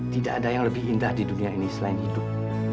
tidak ada yang lebih indah di dunia ini selain hidup